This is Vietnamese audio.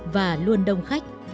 và luôn đông khách